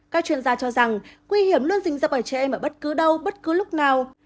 các chuyên gia cho rằng nguy hiểm luôn dình dập ở trẻ em ở bất cứ đâu bất cứ lúc nào